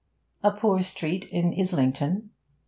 'A poor street in Islington.'